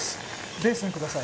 ベースンください。